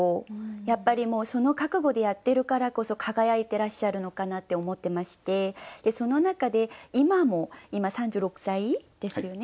やっぱりその覚悟でやってるからこそ輝いてらっしゃるのかなって思ってましてその中で今も今３６歳ですよね。